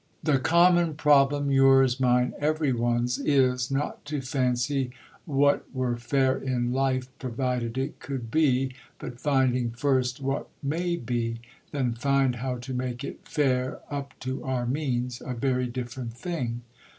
"The common problem, yours, mine, everyone's, Is not to fancy what were fair in life Provided it could be but, finding first What may be, then find how to make it fair Up to our means: a very different thing!